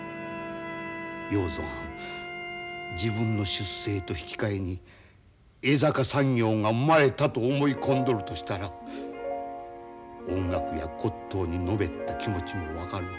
要造はん自分の出生と引き換えに江坂産業が生まれたと思い込んどるとしたら音楽や骨とうにのめった気持ちも分かるわ。